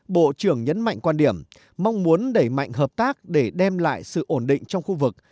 bộ trưởng nhấn mạnh quan điểm mong muốn đẩy mạnh hợp tác để đem lại sự ổn định trong khu vực